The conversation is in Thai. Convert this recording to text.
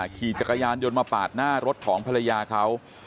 ขี่จักรยานยนต์มาปาดหน้ารถของภรรยาเขา